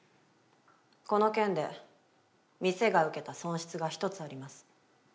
この件で店が受けた損失が一つあります。